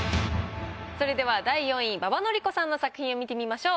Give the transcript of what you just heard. それでは第４位馬場典子さんの作品を見てみましょう。